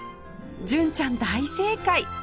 純ちゃん大正解！